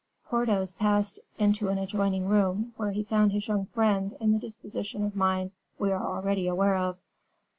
Porthos passed into an adjoining room, where he found his young friend in the disposition of mind we are already aware of.